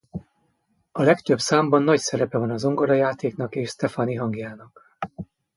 A legtöbb számban nagy szerepe van a zongorajátéknak és Stefani hangjának.